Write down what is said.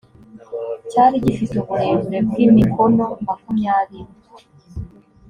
cyari gifite uburebure bw’imikono makumyabiri